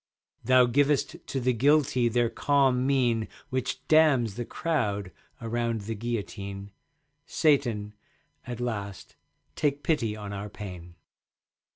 Thou givest to the Guilty their calm mien Which damns the crowd around the guillotine. Satan, at last take pity on our pain.